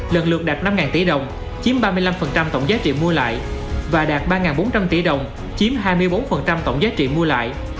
lần lượt đạt năm tỷ đồng chiếm ba mươi năm tổng giá trị mua lại và đạt ba bốn trăm linh tỷ đồng chiếm hai mươi bốn tổng giá trị mua lại